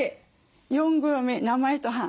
４行目名前と判。